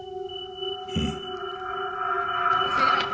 うん。